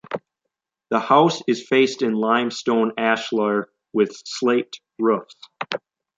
The house is faced in limestone ashlar with slate roofs.